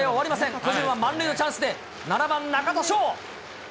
巨人は満塁のチャンスで、７番中田翔。